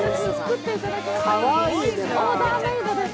オーダーメイドです。